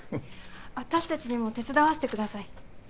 私たちにも手伝わせてください。